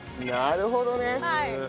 なるほどね。